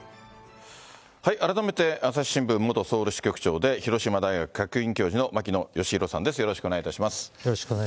改めて、朝日新聞元ソウル支局長で広島大学客員教授の牧野愛博さんです、よろしくお願いします。